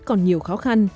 còn nhiều khó khăn